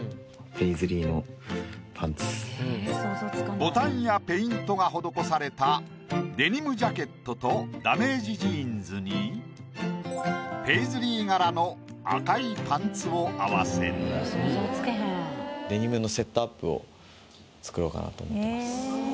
ボタンやペイントが施されたデニムジャケットとダメージジーンズにペイズリー柄の赤いパンツを合わせる。を作ろうかなと思ってます。